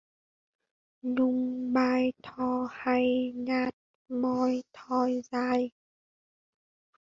nhung bai tho hay nhat moi thoi dai